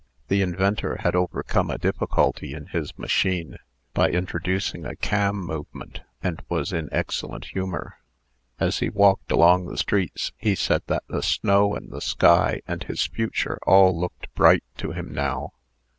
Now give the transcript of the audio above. The inventor had overcome a difficulty in his machine, by introducing a cam movement, and was in excellent humor. As he walked along the streets, he said that the snow and the sky and his future all looked bright to him now.